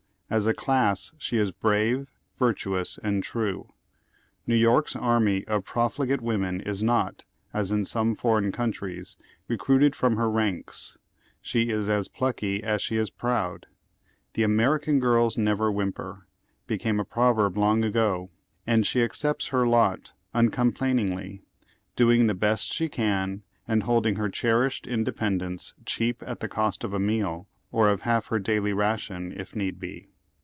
As a class she is brave, virtuous, and true. New York's aruiy of profligate women is not, as in some foreign cities, recruited from lier ranks. Slie is as plucky as she is proud. That " American gii'ls never whimper" became a proverb long ago, and she accepts her lot un complainingly, doing the best she can and holding, her cherished independence clieap at the cost of a meal, or of half her daily ration, if need be.